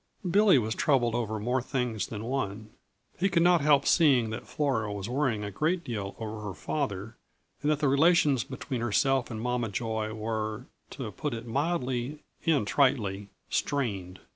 Billy was troubled over more things than one. He could not help seeing that Flora was worrying a great deal over her father, and that the relations between herself and Mama Joy were, to put it mildly and tritely, strained.